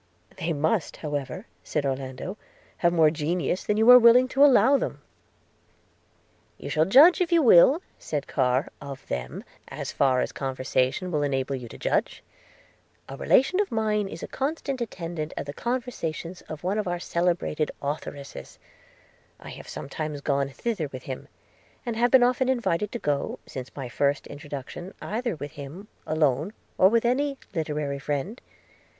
'They must, however,' said Orlando, 'have more genius than you are willing to allow them.' 'You shall judge, if you will,' said Carr, 'of them, as far as conversation will enable you to judge. – A relation of mine is a constant attendant at the conversations of one of our celebrated authoresses – I have sometimes gone thither with him, and have been often invited to go, since my first introduction, either with him, alone, or with any literary friend.